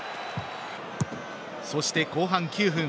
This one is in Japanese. そして、後半９分。